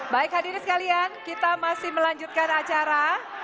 baik hadirin sekalian kita masih melanjutkan acara